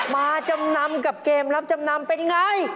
มาจำนำกับเกมรับจำนำเป็นไง